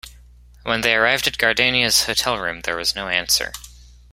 When they arrived at Gardenia's hotel room, there was no answer.